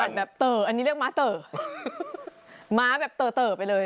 แบบเต๋ออันนี้เรียกม้าเต๋อม้าแบบเต๋อไปเลย